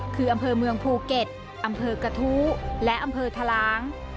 คืออำเภอเมืองภูเก็ตอำเภอกระทู้และอำเภอทะลาง